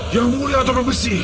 yang mulia topeng besi